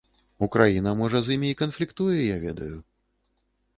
Украіна, можа, з імі і канфліктуе, я ведаю.